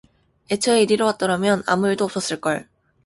애초에 이리로 왔더라면 아무 일도 없었을 걸.